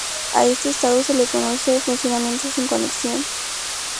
A este estado se le llama funcionamiento sin conexión.